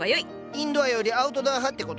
インドアよりアウトドア派って事ね。